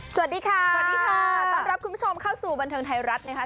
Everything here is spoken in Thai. สวัสดีค่ะสำหรับคุณผู้ชมเข้าสู่บันเทิงไทยรัฐนะครับ